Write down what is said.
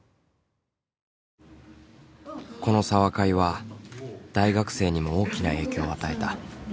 この茶話会は大学生にも大きな影響を与えた。